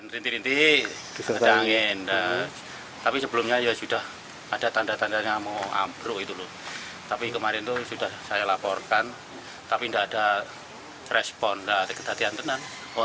respon dari ketatian tenang untung tidak ada anak anak